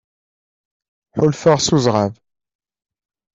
Ḥulfaɣ s uzɣab.